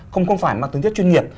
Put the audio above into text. không phải là tương tiết chuyên nghiệp